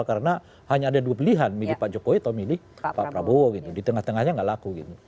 karena hanya ada dua pilihan milih pak jokowi atau milih pak prabowo di tengah tengahnya tidak laku